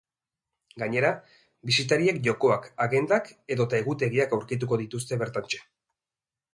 Gainera, bisitariek jokoak, agendak edota egutegiak aurkituko dituzte bertantxe.